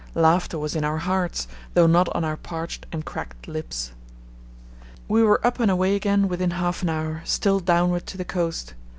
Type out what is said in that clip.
Laughter was in our hearts, though not on our parched and cracked lips. We were up and away again within half an hour, still downward to the coast.